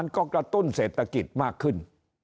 ก็กระตุ้นเศรษฐกิจมากขึ้น